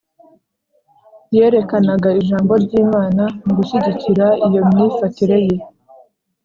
Yerekanaga Ijambo ry’Imana mu gushyigikira iyo myifatire Ye.